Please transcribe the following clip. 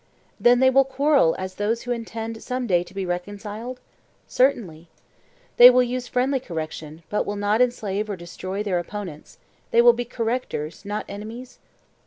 Then they will quarrel as those who intend some day to be reconciled? Certainly. They will use friendly correction, but will not enslave or destroy their opponents; they will be correctors, not enemies?